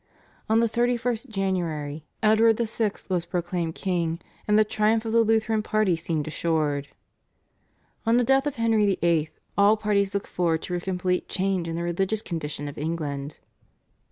On the 31st January Edward VI. was proclaimed king, and the triumph of the Lutheran party seemed assured. On the death of Henry VIII. all parties looked forward to a complete change in the religious condition of England.